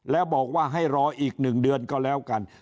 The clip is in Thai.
แล้วบอกว่าให้รออีก๑เดือนก็แล้วกัน